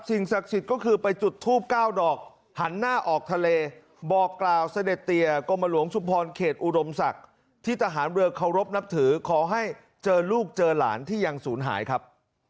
ศักดิ์สิทธิ์ก็คือไปจุดทูบ๙ดอกหันหน้าออกทะเลบอกกล่าวเสด็จเตียกรมหลวงชุมพรเขตอุดมศักดิ์ที่ทหารเรือเคารพนับถือขอให้เจอลูกเจอหลานที่ยังศูนย์หายครับ